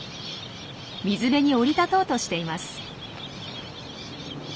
水辺に降り立とうとしています。